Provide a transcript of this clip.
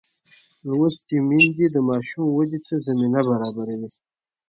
لوستې میندې د ماشوم ودې ته زمینه برابروي.